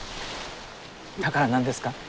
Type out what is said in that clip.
だから何ですか？